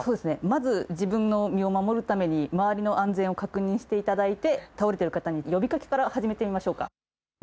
まず自分の身を守るために周りの安全を確認して頂いて倒れてる方に呼び掛けから始めてみましょうか。